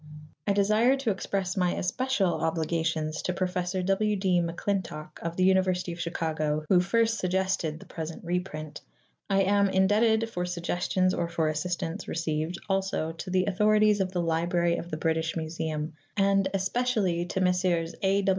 I desire to express my especial obligations to Professor W. D. MacClintock of the University of Chicago, who first suggested the 5 6 PREFACE present reprint. I am indebted for suggestions or for assistance received also to the authorities of the Library of the British Museum, and especially to Messrs. A.